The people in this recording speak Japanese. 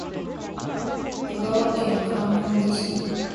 香川県観音寺市